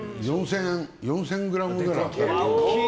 ４０００ｇぐらいあった。